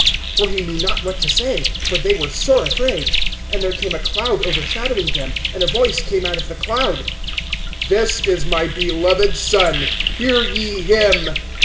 (6)For he knew not what to say; for they were sore afraid. (7)And there came a cloud overshadowing them; and a voice came out of the cloud: This is my beloved Son; hear ye him.